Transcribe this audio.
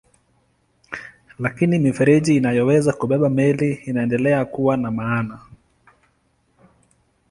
Lakini mifereji inayoweza kubeba meli inaendelea kuwa na maana.